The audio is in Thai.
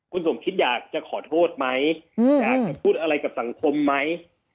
คุณสมคิดอยากจะขอโทษไหมอยากจะพูดอะไรกับสังคมไหม